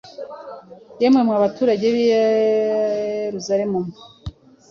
Yemwe mwa baturage b’i Yerusalemu mwe,